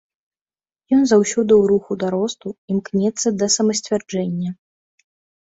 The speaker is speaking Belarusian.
Ён заўсёды ў руху да росту, імкнецца да самасцвярджэння.